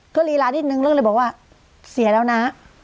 ก็รีลานิดนึงแล้วก็เลยบอกว่าเสียแล้วนะ